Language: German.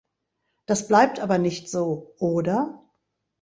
Das bleibt aber nicht so, oder?